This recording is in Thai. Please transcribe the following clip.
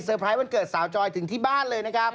เซอร์ไพรส์วันเกิดสาวจอยริรินีถึงที่บ้านเลยนะครับ